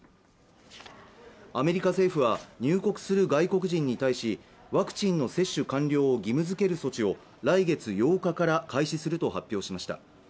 アメリカ政府は入国する外国人に対しワクチンの接種完了を義務づける措置を来月８日から開始すると発表しました